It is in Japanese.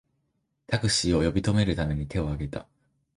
タクシーを呼び止めるために手をあげた